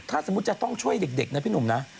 ถ้าสมมุติจะต้องช่วยเด็กนะพี่หนุ่มนะ